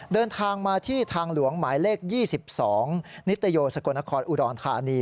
เดินทางมาที่ทางหลวงหมายเลข๒๒นิตโยสกลนครอุดรธานี